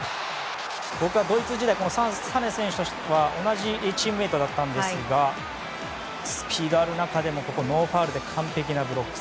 僕はドイツ時代にサネ選手とは同じチームメートだったんですがスピードある中でもノーファウルで完璧なブロック。